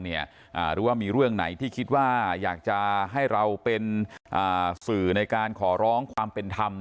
หรือว่ามีเรื่องไหนที่คิดว่าอยากจะให้เราเป็นสื่อในการขอร้องความเป็นธรรม